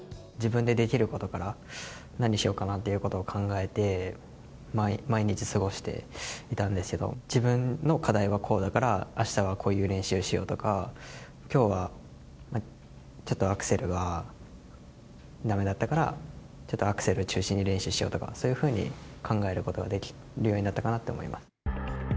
自分でできることから、何しようかなということを考えて、毎日過ごしていたんですけど、自分の課題はこうだから、あしたはこういう練習しようとか、きょうはちょっとアクセルがだめだったから、ちょっとアクセル中心に練習しようとか、そういうふうに考えることができるようになったかなと思います。